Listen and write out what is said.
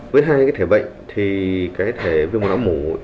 với hai cái thể bệnh thì cái thể viêm mồm não mụn